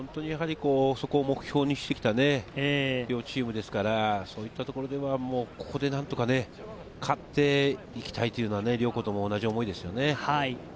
そこを目標にしてきた両チームですから、そういったところではここで何とか勝っていきたいというのは両方とも同じ思いでしょうね。